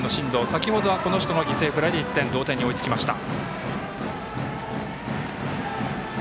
先ほどは、この人の犠牲フライ１点、同点に追いつきました。